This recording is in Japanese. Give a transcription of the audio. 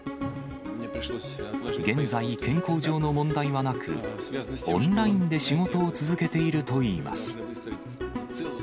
現在、健康上の問題はなく、オンラインで仕事を続けているといいます。